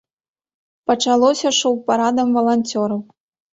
Пачалося шоў парадам валанцёраў.